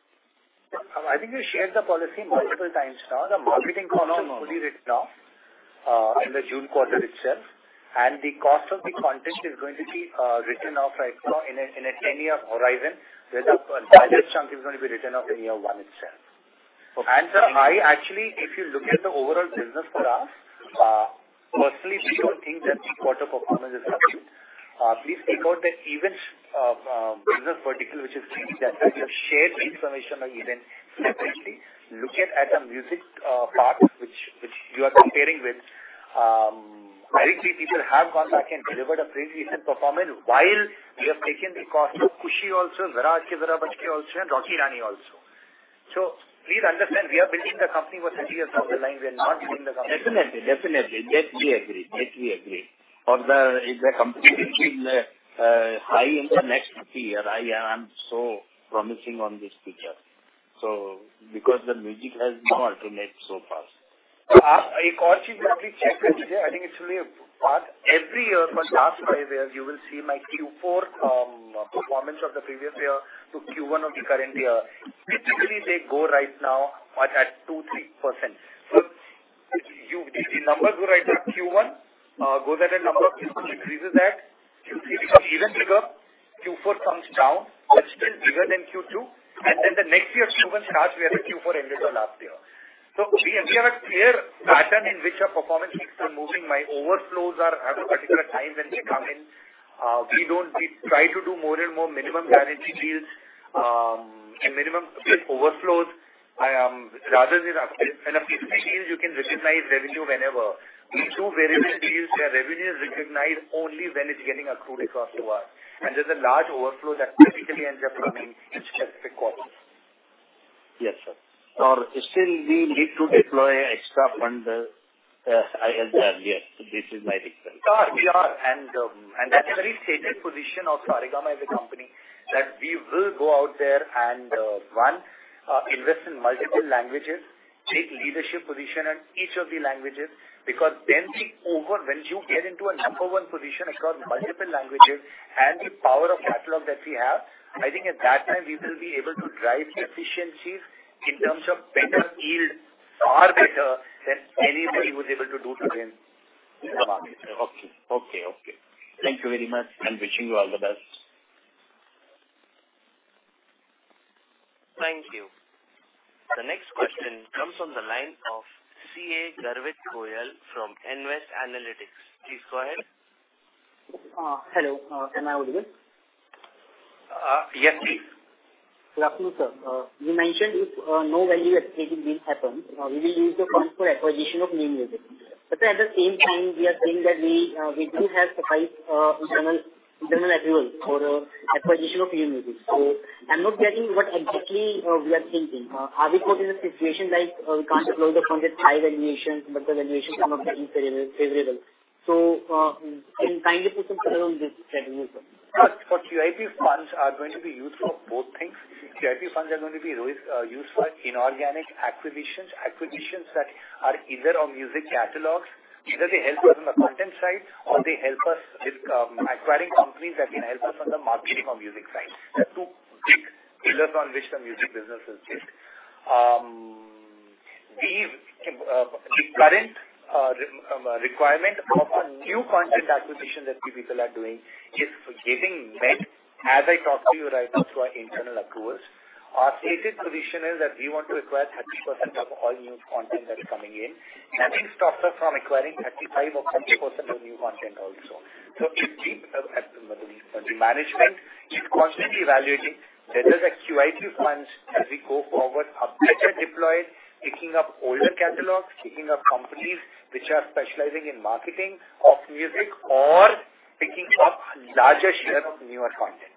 I think we shared the policy multiple times now. The marketing cost is fully written off, in the June quarter itself. The cost of the content is going to be, written off right now in a, in a 10-year horizon, where the largest chunk is going to be written off in year one itself. Okay. Sir, I actually, if you look at the overall business for us, firstly, we don't think that the quarter performance is up. Please think about that events business vertical, which is really the actual shared information or event. Secondly, look at the music part, which you are comparing with. Very few people have gone back and delivered a previously hit performance while we have taken the cost of Kushi also, Zara Hatke Zara Bachke also, and Rocky Rani also. Please understand, we are building the company for thirty years down the line. We are not building the company- Definitely, definitely. That we agree. That we agree. Of the, if the company will be high in the next 50 years, I am so promising on this feature. Because the music has no alternate so far. If you quickly check it, I think it's really a part. Every year for the last five years, you will see my Q4 performance of the previous year to Q1 of the current year. Typically, they go right now at 2%-3%. The numbers go right to Q1, goes at a number, increases that. Q3 becomes even bigger, Q4 comes down, but still bigger than Q2. The next year, Q1 starts where the Q4 ended the last year. We, we have a clear pattern in which our performance keeps on moving. My overflows are at a particular time when they come in. We don't. We try to do more and more minimum guarantee deals and minimum overflows. Rather than a deal, you can recognize revenue whenever. We do various deals where revenue is recognized only when it's getting accrued across the bar, and there's a large overflow that typically ends up coming in specific quarters. Yes, sir. Still we need to deploy extra funds? Yes, this is my question. We are, we are, and, and that's a very stated position of Saregama as a company, that we will go out there and, one, invest in multiple languages, take leadership position in each of the languages, because then when you get into a number one position across multiple languages and the power of catalog that we have, I think at that time, we will be able to drive efficiencies in terms of better yield, far better than anybody was able to do today in the market. Okay. Okay, okay. Thank you very much, and wishing you all the best. Thank you. The next question comes from the line of CA Garvit Goyal from Nwest Analytics. Please go ahead. Hello. Can I audible? Yes, please. Vikram sir, you mentioned if no value accredited deal happens, we will use the funds for acquisition of new music. At the same time, we are saying that we do have suffice internal, internal approval for the acquisition of new music. I'm not getting what exactly we are thinking. Are we put in a situation like we can't flow the funds at high valuations, but the valuations are not getting favorable? Can you kindly put some color on this statement, sir? First, for QIP funds are going to be used for both things. QIP funds are going to be used for inorganic acquisitions, acquisitions that are either on music catalogs, either they help us on the content side or they help us with acquiring companies that can help us on the marketing of music side. There are two big pillars on which the music business is built. The current requirement of a new content acquisition that we people are doing is getting met, as I talk to you right now, through our internal approvals. Our stated position is that we want to acquire 30% of all new content that is coming in. Nothing stops us from acquiring 35% or 40% of new content also. The management is constantly evaluating whether the QIP funds, as we go forward, are better deployed, picking up older catalogs, picking up companies which are specializing in marketing of music or picking up larger share of newer content.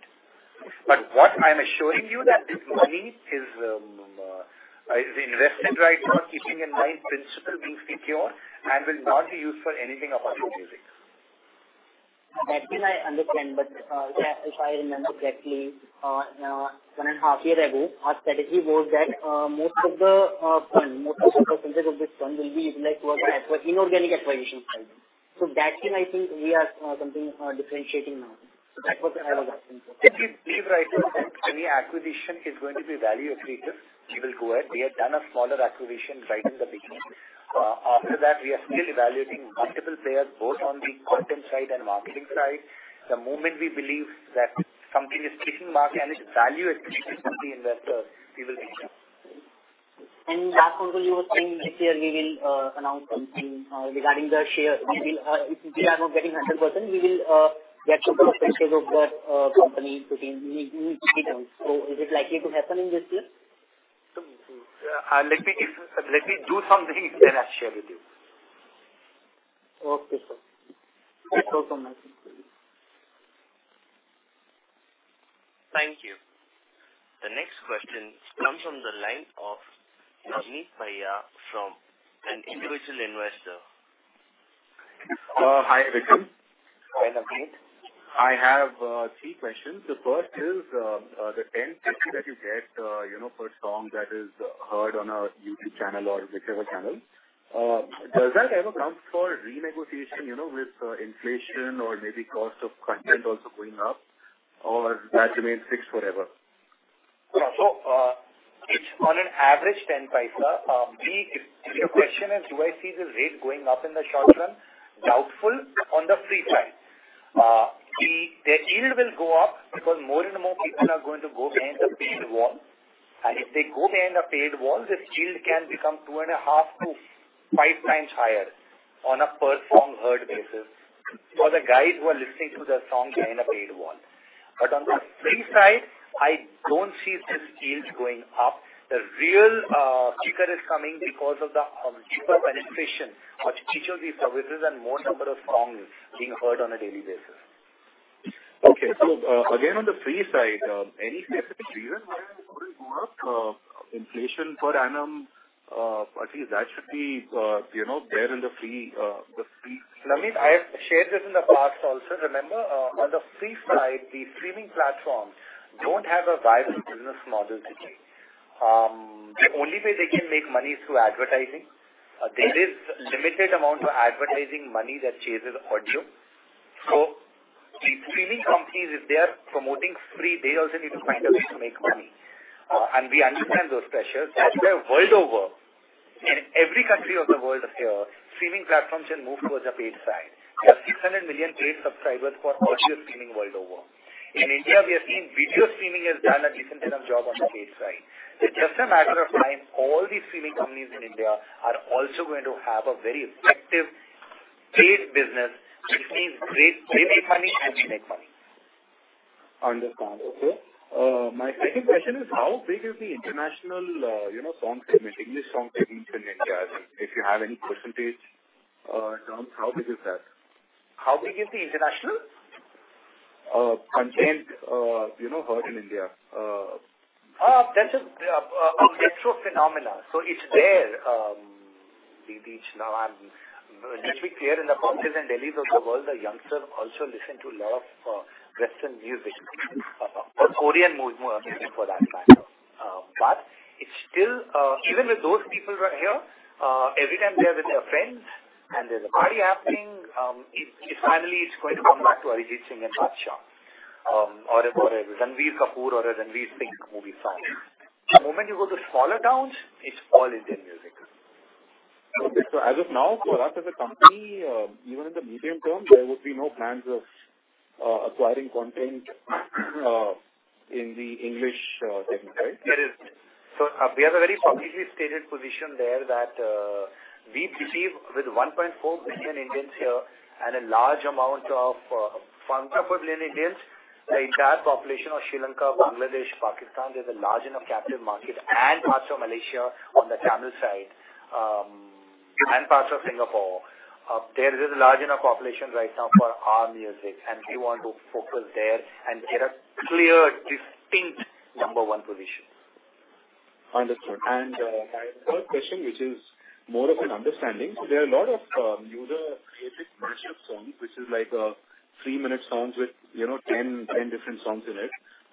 What I'm assuring you that this money is invested right now, keeping in mind principal being secure and will not be used for anything apart from music. That thing I understand. If I remember correctly, 1.5 years ago, our strategy was that most of the fund, most of the percentage of this fund will be like for inorganic acquisition. That thing I think we are something differentiating now. That was what I was asking for. If we believe right now that any acquisition is going to be value accretive, we will go ahead. We have done a smaller acquisition right in the beginning. After that, we are still evaluating multiple players, both on the content side and marketing side. The moment we believe that something is hitting mark and it's value accretive to the investor, we will reach out. That's also you were saying next year, we will announce something regarding the share. We will, if we are not getting 100%, we will get to the percentage of the company putting in returns. Is it likely to happen in this year? Let me, let me do something, then I'll share with you. Okay, sir. That's also nice. Thank you. The next question comes from the line of Namit Bhaiya from an individual investor. Hi, Vikram. Hi, Namit. I have three questions. The first is, the 0.10 that you get, you know, per song that is heard on a YouTube channel or whichever channel, does that ever come for renegotiation, you know, with inflation or maybe cost of content also going up, or that remains fixed forever? It's on an average 0.10. The, if your question is, do I see the rate going up in the short run? Doubtful on the free side. The, the yield will go up because more and more people are going to go behind the paywall, and if they go behind a paywall, this yield can become 2.5x-5x higher on a per song heard basis for the guys who are listening to the song behind a paywall. On the free side, I don't see this sales going up. The real kicker is coming because of the deeper penetration of each of these services and more number of songs being heard on a daily basis. Okay. Again, on the free side, any specific reason why it would work, inflation per annum? At least that should be, you know, there in the free, the free- Namit, I have shared this in the past also. Remember, on the free side, the streaming platforms don't have a viable business model today. The only way they can make money is through advertising. There is limited amount of advertising money that chases audio. The streaming companies, if they are promoting free, they also need to find a way to make money. We understand those pressures. That's why world over, in every country of the world here, streaming platforms can move towards a paid side. There are 600 million paid subscribers for audio streaming world over. In India, we are seeing video streaming has done a decent job on the paid side. It's just a matter of time all these streaming companies in India are also going to have a very effective paid business, which means they, they make money and we make money. Understand. Okay. My second question is, how big is the international, you know, song segment, English song segment in India? If you have any percentage in terms, how big is that? How big is the international? Content, you know, heard in India. That's a retro phenomenon. It's there, the beach. Just to be clear, in the Bombay and Delhi of the world, the youngsters also listen to a lot of Western music, or Korean music, for that matter. It's still, even with those people right here, every time they're with their friends and there's a party happening, it, it finally is going to come back to Arijit Singh and Badshah, or a, or a Ranbir Kapoor or a Ranveer Singh movie song. The moment you go to smaller towns, it's all Indian music. Okay. As of now, for us as a company, even in the medium term, there would be no plans of acquiring content in the English segment, right? We have a very publicly stated position there that, we believe with 1.4 billion Indians here and a large amount of, billion Indians, the entire population of Sri Lanka, Bangladesh, Pakistan, there's a large enough captive market, and parts of Malaysia on the Tamil side, and parts of Singapore. There is a large enough population right now for our music, and we want to focus there and get a clear, distinct number one position. Understood. My third question, which is more of an understanding. There are a lot of newer creative mashup songs, which is like three-minute songs with, you know, 10, 10 different songs in it,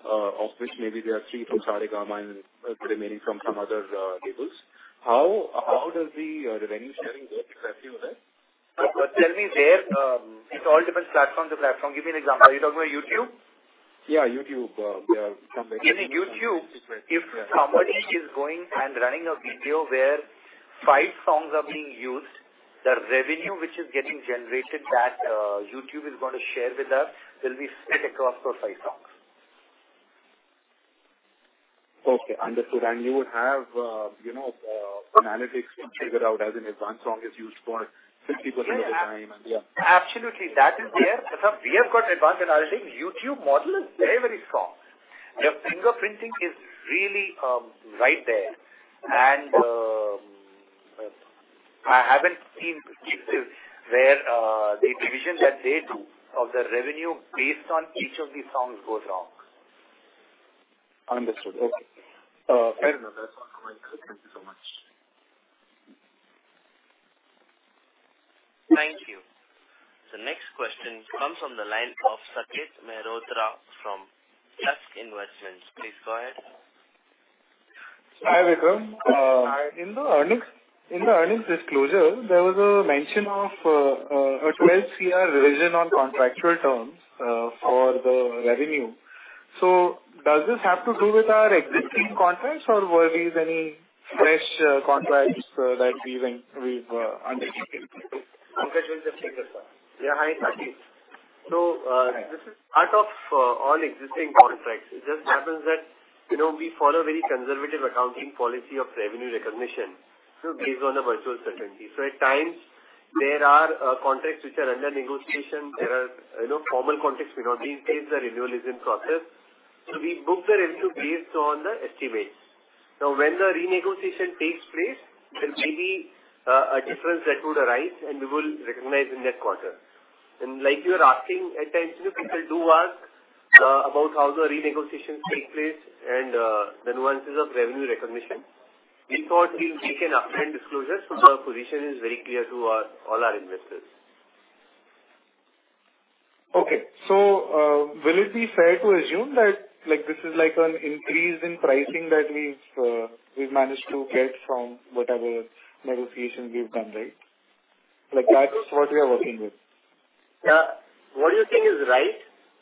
of which maybe there are three from Saregama and the remaining from some other labels. How does the revenue sharing work with you there? Tell me there, it's all different platform to platform. Give me an example. Are you talking about YouTube? Yeah, YouTube, yeah. In YouTube, if somebody is going and running a video where five songs are being used, the revenue which is getting generated that YouTube is going to share with us will be split across those five songs. Okay, understood. You would have, you know, analytics to figure out as an advanced song is used for 60% of the time, and, yeah. Absolutely. That is there. We have got advanced analytics. YouTube model is very, very strong. Their fingerprinting is really right there. I haven't seen instances where the division that they do of the revenue based on each of these songs goes wrong. Understood. Okay. fair enough. That's all my questions. Thank you so much. Thank you. The next question comes from the line of Saket Mehrotra from Jess Investments. Please go ahead. Hi, Vikram. In the earnings, in the earnings disclosure, there was a mention of an 12 crore revision on contractual terms for the revenue. Does this have to do with our existing contracts, or were these any fresh contracts that we've undertaken? Saket, we'll just check this out. Yeah, hi, Saket. This is part of all existing contracts. It just happens that, you know, we follow a very conservative accounting policy of revenue recognition based on the virtual certainty. At times, there are contracts which are under negotiation. There are, you know, formal contracts without these, is the renewalism process. We book the revenue based on the estimates. Now, when the renegotiation takes place, there may be a difference that would arise, and we will recognize the next quarter. Like you are asking, at times, people do ask about how the renegotiations take place and the nuances of revenue recognition. We thought we'll make an upfront disclosure, so the position is very clear to our, all our investors. Okay. Will it be fair to assume that, like, this is like an increase in pricing that we've managed to get from whatever negotiations we've done, right? Like, that's what we are working with. Yeah. What you're saying is right.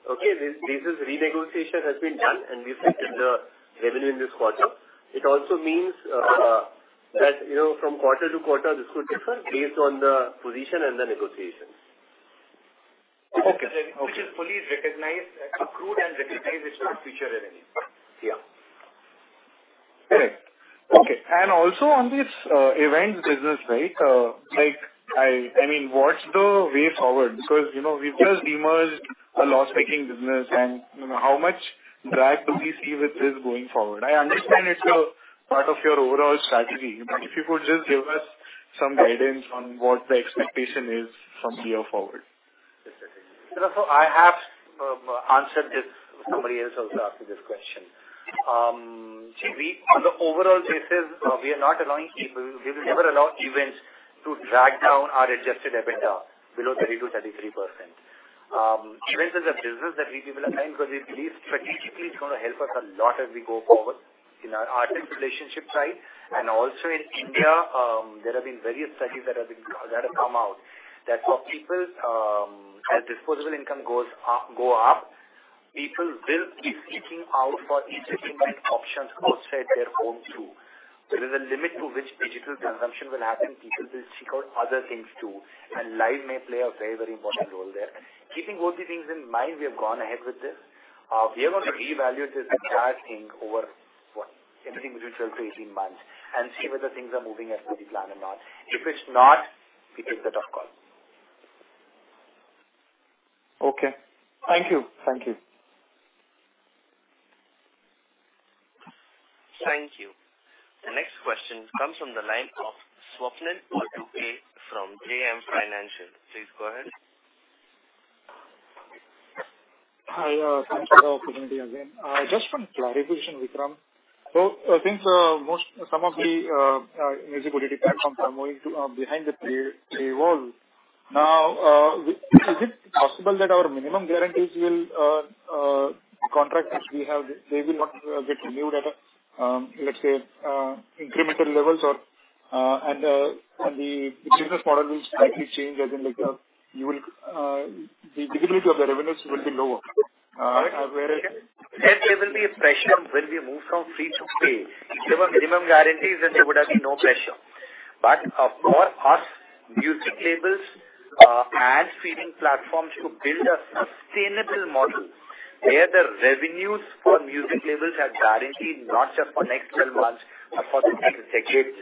Okay, this renegotiation has been done. We've affected the revenue in this quarter. It also means that, you know, from quarter to quarter, this could differ based on the position and the negotiations. Okay. Which is fully recognized, accrued, and recognized as future revenue. Yeah. Okay, also on this events business, right? I mean, what's the way forward? Because, you know, we've just emerged a loss-making business, and, you know, how much drag do we see with this going forward? I understand it's a part of your overall strategy, but if you could just give us some guidance on what the expectation is from here forward. I have answered this. Somebody else also asked me this question. See, we, on the overall basis, we are not allowing people... We will never allow events to drag down our Adjusted EBITDA below 30%-33%. Events is a business that we will align, because we believe strategically it's going to help us a lot as we go forward in our artist relationship side. Also in India, there have been various studies that have been, that have come out, that for people, as disposable income goes up, go up, people will be seeking out for entertainment options outside their homes, too. There is a limit to which digital consumption will happen. People will seek out other things, too, and live may play a very, very important role there. Keeping both these things in mind, we have gone ahead with this. We are going to reevaluate this entire thing over, what, everything between 12 to 18 months and see whether things are moving as per the plan or not. If it's not, we take it off call. Okay. Thank you. Thank you. Thank you. The next question comes from the line of Swapnil Potdukhe from JM Financial. Please go ahead. Hi, thanks for the opportunity again. Just one clarification, Vikram. Since most, some of the music ability platforms are moving to behind the pay, paywall, now, is it possible that our minimum guarantees will the contractors we have, they will not get renewed at a, let's say, incremental levels or, and the business model will slightly change, as in, like, you will the visibility of the revenues will be lower? Whereas- Yes, there will be a pressure when we move from free to pay. If there were minimum guarantees, then there would have been no pressure. For us, music labels, and feeding platforms to build a sustainable model where the revenues for music labels are guaranteed not just for next 12 months, but for the next decades,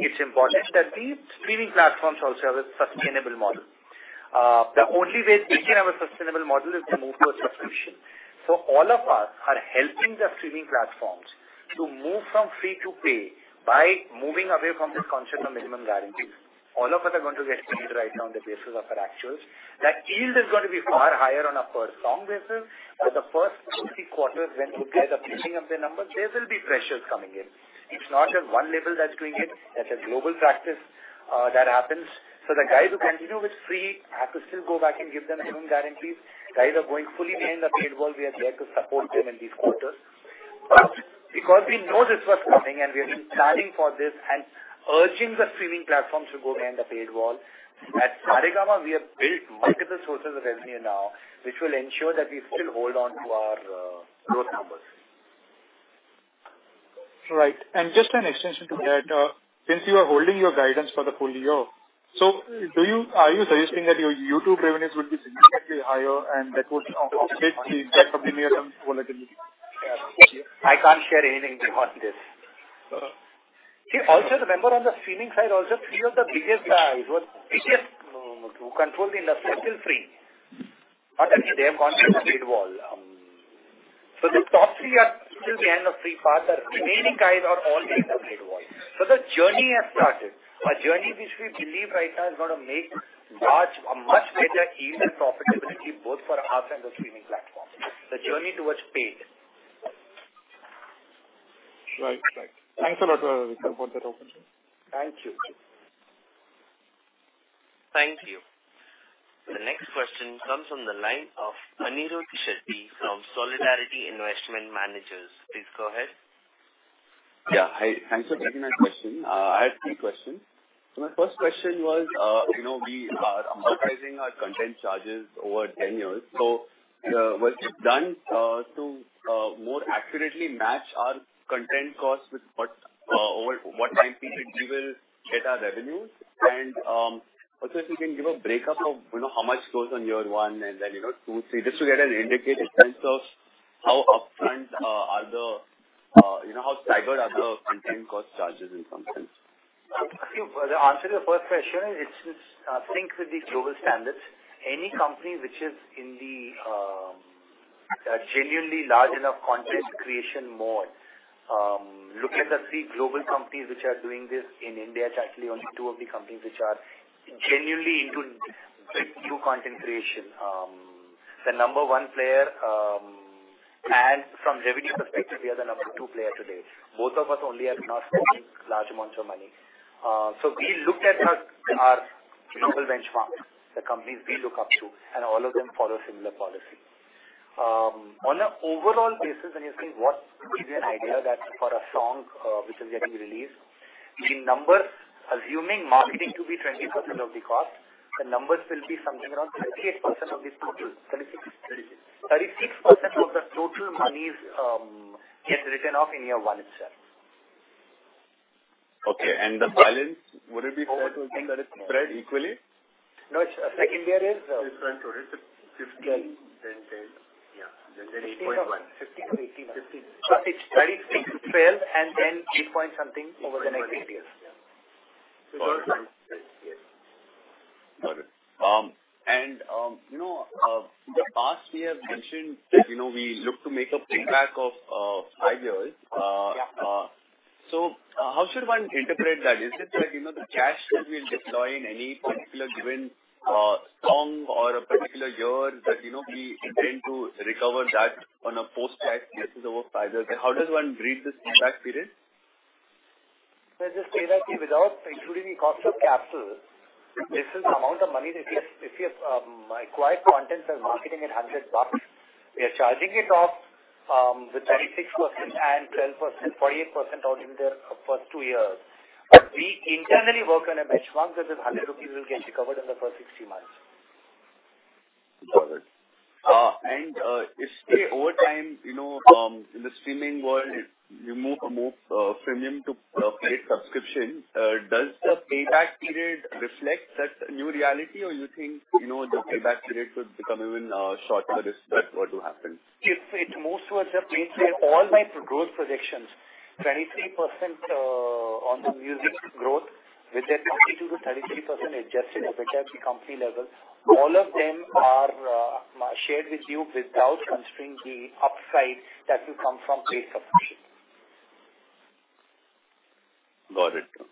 it's important that these streaming platforms also have a sustainable model. The only way they can have a sustainable model is to move to a subscription. All of us are helping the streaming platforms to move from free to pay by moving away from this concept of minimum guarantees. All of us are going to get paid right now on the basis of our actuals. That yield is going to be far higher on a per song basis, but the first two, three quarters, when you look at the picking up the numbers, there will be pressures coming in. It's not just one label that's doing it. That's a global practice that happens. The guys who continue with free have to still go back and give them minimum guarantees. Guys are going fully behind the paid world. We are there to support them in these quarters. Because we know this was coming and we have been planning for this and urging the streaming platforms to go behind the paywall, at Saregama, we have built multiple sources of revenue now, which will ensure that we still hold on to our growth numbers. Right. Just an extension to that, since you are holding your guidance for the full year, are you suggesting that your YouTube revenues will be significantly higher and that would offset the get from the year-end volatility? I can't share anything on this. Uh-huh. See, also the member on the streaming side, also three of the biggest guys, were biggest, who control the industry, are still free. Not that they have gone to the paywall. The top three are still behind the free part. The remaining guys are all behind the paywall. The journey has started. A journey which we believe right now is going to make large, a much better yield and profitability both for us and the streaming platform. The journey towards paid. Right. Right. Thanks a lot, Vikram, for that overview. Thank you. Thank you. The next question comes from the line of Anirudh Shetty from Solidarity Investment Managers. Please go ahead. Yeah. Hi. Thanks for taking my question. I have three questions. My first question was, you know, we are amortizing our content charges over 10 years. What you've done to more accurately match our content costs with what over what time period we will get our revenues? Also, if you can give a breakup of, you know, how much goes on year one and then, you know, two, three, just to get an indicative sense of how upfront are the, you know, how staggered are the content cost charges in some sense. The answer to the first question is, it's syncs with the global standards. Any company which is in the genuinely large enough content creation mode, look at the three global companies which are doing this in India. It's actually only two of the companies which are genuinely into big new content creation. The number one player, and from revenue perspective, we are the number two player today. Both of us only are not spending large amounts of money. We looked at our, our global benchmarks, the companies we look up to, and all of them follow similar policy. On an overall basis, when you think, what gives you an idea that for a song, which is getting released, in numbers, assuming marketing to be 20% of the cost, the numbers will be something around 38% of the total. 36, 36% of the total money, get written off in year one itself. Okay, the balance, would it be fair to say that it's spread equally? No, second year is- It's going to it, 50, then 10. Yeah, then 8.1. 50 to 80, 50. 36, 12, and then eight point something over the next years. Got it. You know, in the past, we have mentioned that, you know, we look to make a payback of five years. How should one interpret that? Is it that, you know, the cash that we'll deploy in any particular given song or a particular year, that, you know, we intend to recover that on a post-tax basis over five years? How does one read this payback period? Let's just say that without including the cost of capital, this is the amount of money that if you, if you, acquire content and marketing at INR 100, we are charging it off, with 36% and 12%, 48% out in the first two years. We internally work on a benchmark that this 100 rupees will get recovered in the first 60 months. Got it. If, say, over time, you know, in the streaming world, you move more premium to paid subscription, does the payback period reflect that new reality? Or you think, you know, the payback period would become even shorter if that were to happen? It, it's more towards the paid play. All my growth projections, 23%, on the music growth, with that 32%-33% Adjusted EBITDA at the company level, all of them are, shared with you without considering the upside that will come from paid subscription. Got it.